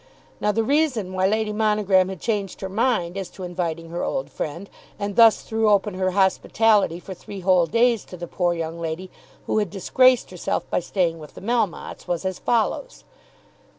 Now the reason why Lady Monogram had changed her mind as to inviting her old friend, and thus threw open her hospitality for three whole days to the poor young lady who had disgraced herself by staying with the Melmottes, was as follows.